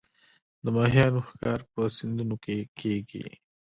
د ماهیانو ښکار په سیندونو کې کیږي